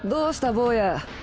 坊や。